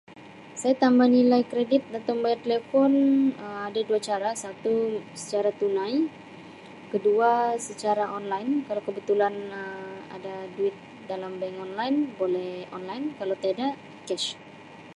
Saya tambah nilai kredit atau membayar telefon Um ada dua cara satu secara tunai kedua secara online kalau kebetulan Um ada duit dalam bank online boleh online kalau tiada cash.